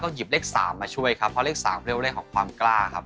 หยิบเลข๓มาช่วยครับเพราะเลข๓เรียกว่าเลขของความกล้าครับ